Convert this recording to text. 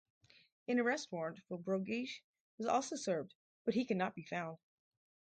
An arrest warrant for Borghese was also served, but he could not be found.